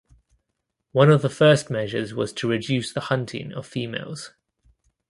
One of the first measures was to reduce the hunting of females.